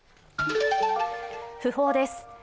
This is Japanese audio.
訃報です。